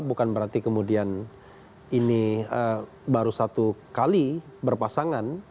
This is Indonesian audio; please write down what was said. bukan berarti kemudian ini baru satu kali berpasangan